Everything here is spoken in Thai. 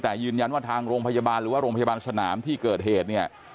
แต่ยืนยันว่าทางโรงพยาบาลหรือว่าโรงพยาบาลสนามที่เกิดเหตุเนี่ย